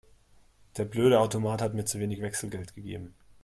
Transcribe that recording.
Der blöde Automat hat mir zu wenig Wechselgeld gegeben.